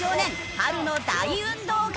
春の大運動会！